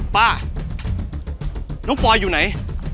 ป้าน้องปอยอยู่ไหน